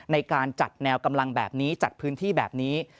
ในการจัดแนวกำลังแบบนี้จัดพื้นที่แบบนี้